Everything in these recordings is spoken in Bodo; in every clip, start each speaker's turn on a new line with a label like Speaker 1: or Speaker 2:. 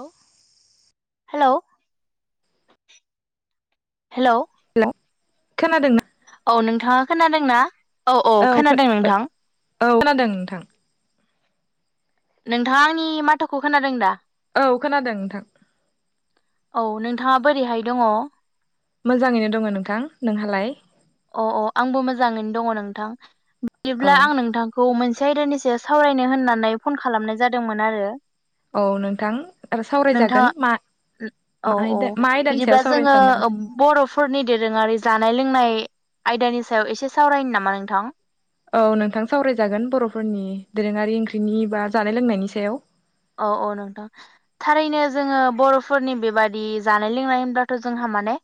Speaker 1: औ हेलौ हेलौ
Speaker 2: हेलौ खोनादोंना
Speaker 1: औ नोंथाङा खोनादों ना औ औ खोनादों नोंथां
Speaker 2: औ खोनादों नोंथां।
Speaker 1: नोंथाङा आंनि माथोखौ खोनादों दा?
Speaker 2: औ खोनादों नोंथां
Speaker 1: औ नोंथाङा बोरैहाय दङ?
Speaker 2: मोजाङैनो दङ नोंथां नोंहालाय?
Speaker 1: अ अ आंबो मोजाङैनो दङ नोंथां
Speaker 2: औ
Speaker 1: बिदिब्ला आं नोंथांखौ मोनसे से आयदानिसो सावरायनो होननानै फन खालामनाय जादोंमोन आरो।
Speaker 2: औ नोंथां
Speaker 1: नोंथाङा
Speaker 2: सावरायजागोन मा?
Speaker 1: औ
Speaker 2: मा
Speaker 1: औ
Speaker 2: आयदा मा आयदानि सायाव
Speaker 1: बिदिब्ला
Speaker 2: सावरायनो
Speaker 1: जोङो
Speaker 2: सानदों नोंथां
Speaker 1: बर'फोरनि दोरोङारि जानाय लोंनाय। आयदानि सायाव एसे सावरायनो नामा नोंथां।
Speaker 2: औ नोंथां सावरायजागोन बर'फोरनि दोरोङारि ओंख्रिनि बा जानाय लोंनायनि सायाव
Speaker 1: औ औ नोंथां थारैनो जोङो बर'फोरनि बेबायदि जानाय लोंनाय होनब्लाथ' जों हा माने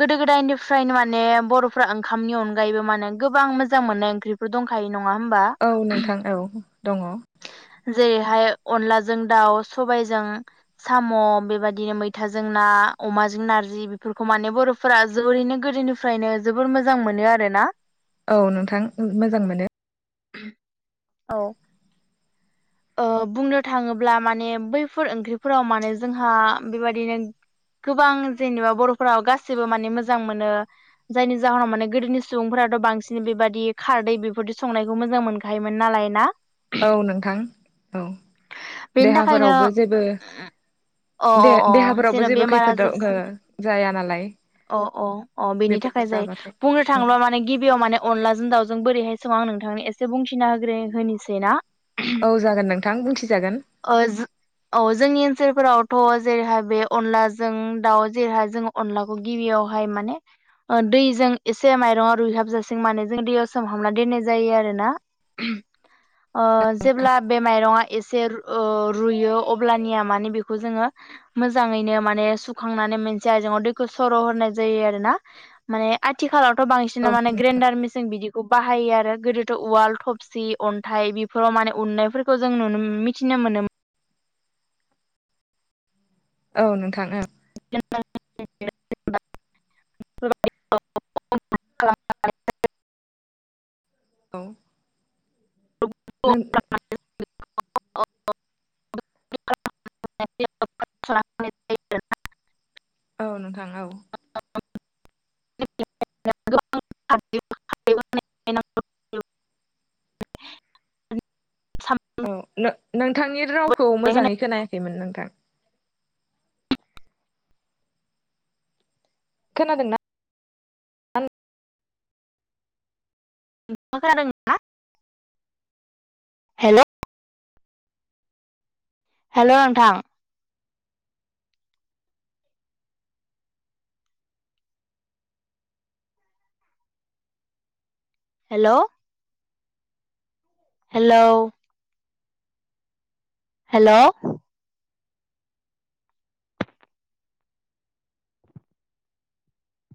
Speaker 1: गोदो गोदायनिफ्रायनो माने बर'फ्रा ओंखामनि अनगायैबो माने गोबां मोजां मोनाय ओंख्रिफोर दंखायो नङा होमबा
Speaker 2: औ नोंथां औ दङ
Speaker 1: जेरैहाय अनला जों दाउ सबायजों साम' बेबायदिनो मैथाजों ना अमाजों नारजि फोरखौ माने बर'फोरा जोबोरैनो गोदोनिफ्रायनो जोबोर मोजां मोनो आरोना
Speaker 2: औ नोंथां मोजां मोनो
Speaker 1: औ ओ बुंनो थाङोब्ला माने बैफोर ओंख्रिफोराव माने जोंहा बेबादिनो गोबां जेनेबा बर'फोरा गासिबो माने मोजां मोनो जायनि जाहोनाव माने गोदोनि सुबुंफोरा थ' बांसिन बेबायदि खारदै बेफोरदि संनायखौ मोजां मोनखायोमोन नालाय ना
Speaker 2: औ नोंथां औ
Speaker 1: बेनि थाखायनो
Speaker 2: देहाफोरावबो जेबो
Speaker 1: अ अ
Speaker 2: दे
Speaker 1: अ जेन'
Speaker 2: देहाफोरावबो जेबो
Speaker 1: बेमार
Speaker 2: खैफोद
Speaker 1: आजार
Speaker 2: ओ जाया नालाय
Speaker 1: अ अ अ बेनि
Speaker 2: बेफोरखौ
Speaker 1: थाखाय जायो
Speaker 2: जाबाथाय
Speaker 1: बुंनो
Speaker 2: औ
Speaker 1: थाङोब्ला माने गिबियाव माने अनलाजों दाउजों बोरैहाय सङो आं नोंथांनि एसे बुंथिना होग्रो होनोसै ना
Speaker 2: औ जागोन नोंथां बुंथिजागोन
Speaker 1: ओहम औ जों जोंनि ओनसोल फोरावथ' जेरैहा बे अनलाजों दाउ जेरैहाय जों अनलाखौ गिबियावहाय माने ओ दैजों एसे माइरङाव रुइहाबजासे माने जों दैयाव सोमहाबनानै दो नाय जायो आरोना ओहम ओ जेब्ला बे माइरंआ एसे ओ रुयो अब्लानिया माने बेखौ जोङो मोजाङैनो माने सुखांनानै जाय जों रनदैखौ सर'होनाय जायो आरो ना माने आथिखालाव
Speaker 2: औ
Speaker 1: बांसिना माने ग्रेन्डार मेसिन बिदिखौ बाहायो आरो आरो गोदोथ' उवाल थबसि अन्थाइ बेफोराव माने उननायफोरखौ जों नुनो मिथिनो मोनोमोन
Speaker 2: औ नोंथा ओं
Speaker 1: [unintelligible] [unintelligible]
Speaker 2: औ नों
Speaker 1: अ अ [unintelligible]
Speaker 2: औ नोंथां औ।
Speaker 1: औ [unintelligible] [unintelligible]
Speaker 2: औ नो नोंथांनि रावखौ मोजाङै खोनायाखैमोन नोंथां खोनादोंना
Speaker 1: नोंथां खोनादों ना हेल' हेल' नोंथां हेल' हेलौ हेल'